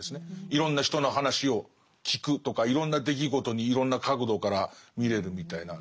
いろんな人の話を聞くとかいろんな出来事にいろんな角度から見れるみたいな。